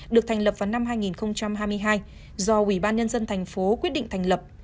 được thành lập vào năm hai nghìn hai mươi hai do ủy ban nhân dân thành phố quyết định thành lập